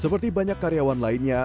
seperti banyak karyawan lainnya